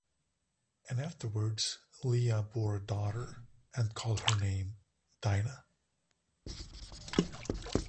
And afterwards Leah bore a daughter, and called her name Dinah.